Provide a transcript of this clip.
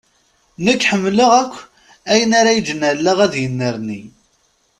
Nekk ḥemmleɣ akk ayen ara iǧǧen allaɣ ad yennerni.